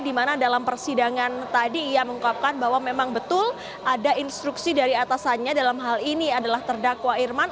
di mana dalam persidangan tadi ia mengungkapkan bahwa memang betul ada instruksi dari atasannya dalam hal ini adalah terdakwa irman